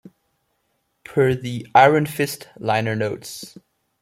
Per the "Iron Fist" liner notes.